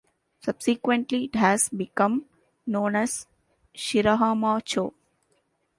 Subsequently, it has become known as Shirahama-cho.